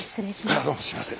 あどうもすいません。